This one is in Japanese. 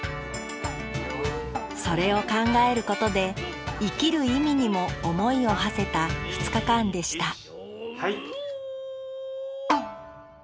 それを考えることで生きる意味にも思いをはせた２日間でした